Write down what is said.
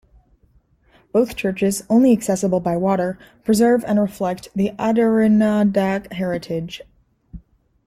Both churches, only accessible by water, preserve and reflect the Adirondack heritage.